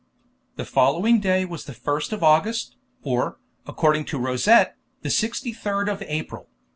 The following day was the 1st of August, or, according to Rosette, the 63rd of April.